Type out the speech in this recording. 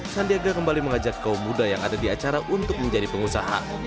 sandiaga kembali mengajak kaum muda yang ada di acara untuk menjadi pengusaha